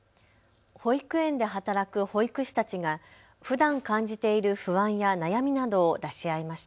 保育園で働く保育士たちがふだん感じている不安や悩みなどを出し合いました。